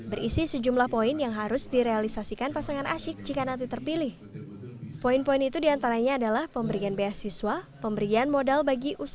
assalamualaikum wr wb